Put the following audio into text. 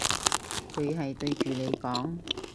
佢係對住你講？